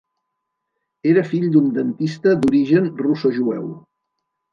Era fill d'un dentista d'origen russojueu.